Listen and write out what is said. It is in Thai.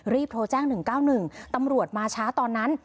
โทรแจ้ง๑๙๑ตำรวจมาช้าตอนนั้น